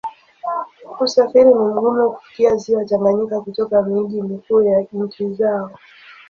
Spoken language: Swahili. Usafiri ni mgumu kufikia Ziwa Tanganyika kutoka miji mikuu ya nchi zao.